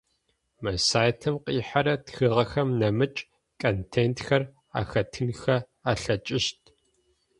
Мы сайтым къихьэрэ тхыгъэхэм нэмыкӏ контентхэр ахэтынхэ алъэкӏыщт.